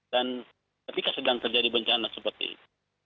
dan ketika sedang terjadi bencana seperti itu